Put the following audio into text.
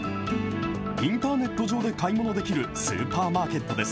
インターネット上で買い物できるスーパーマーケットです。